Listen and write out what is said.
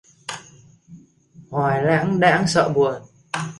Hoài lãng đãng sợi buồn